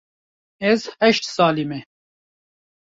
Ez heşt salî me.